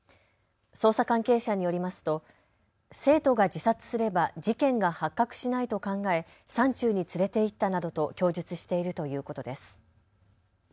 捜査関係者によりますと生徒が自殺すれば事件が発覚しないと考え、山中に連れて行ったなどと供述しているということです。